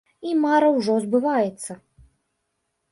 І мара ўжо збываецца!